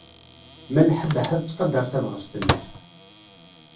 Malḥa Baḥa tettqadar tabɣest-nnek.